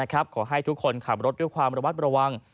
ขอให้ทุกคนขับรถด้วยความระมัดระวัง